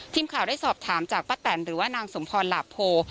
ทีมข่าวได้สอบถามจากป้าแตนหรือว่านางสมพรหลาโพ